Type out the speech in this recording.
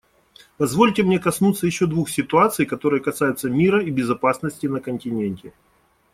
Позвольте мне коснуться еще двух ситуаций, которые касаются мира и безопасности на континенте.